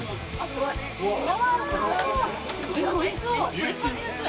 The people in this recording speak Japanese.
すごいな。